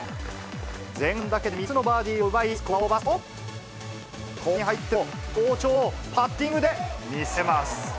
前半だけで３つのバーディーを奪い、スコアを伸ばすと、後半に入っても好調のパッティングで見せます。